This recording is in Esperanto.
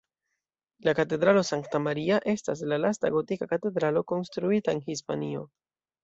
La Katedralo Sankta Maria estas la lasta gotika katedralo konstruita en Hispanio.